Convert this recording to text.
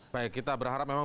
baik kita berharap memang